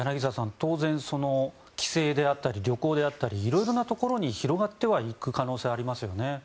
当然、帰省であったり旅行であったり色々なところに広がっていく可能性はありますよね。